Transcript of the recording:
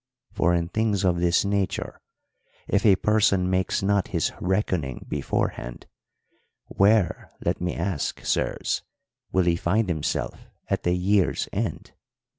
For in things of this nature if a person makes not his reckoning beforehand, where, let me ask, sirs, will he find himself at the year's end?